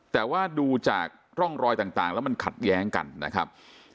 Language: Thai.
แต่ว่าดูจากร่องรอยต่างแล้วมันขัดแย้งกันนะครับ